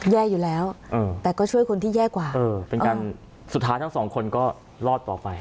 แย่อยู่แล้วแต่ก็ช่วยคนที่แย่กว่าเออเป็นการสุดท้ายทั้งสองคนก็รอดต่อไป